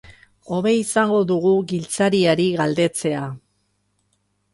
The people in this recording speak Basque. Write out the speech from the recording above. Hobe izango dugu giltzariari galdetzea.